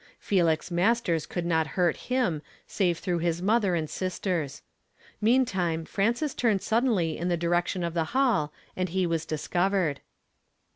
Felix Masters could not hurt him save through his mother and sisters. Meantime Frances turned suddenly in the direction of the hall and he was disnnvercd.